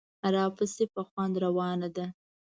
راپسې په خوند روانه ده.